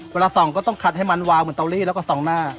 เวลาส่องก็ต้องคัดให้มันวาวเหมือนเตาลีแล้วก็ส่องหน้า